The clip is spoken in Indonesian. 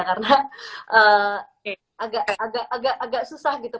karena agak susah gitu